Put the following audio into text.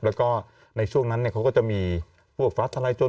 แล้วก็ในช่วงนั้นเขาก็จะมีพวกฟ้าทลายโจร